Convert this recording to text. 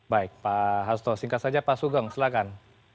baik pak hasto singkat saja pak sugeng silahkan